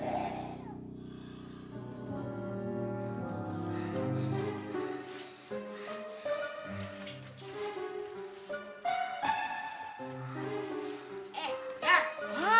kacaukan dimana nih mel